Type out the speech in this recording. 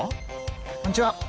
こんにちは！